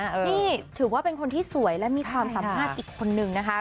นี่ถือว่าเป็นคนที่สวยและมีความสามารถอีกคนนึงนะคะ